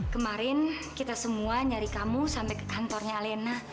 kemarin kita semua nyari kamu sampai ke kantornya lena